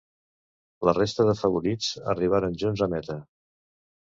La resta de favorits arribaren junts a meta.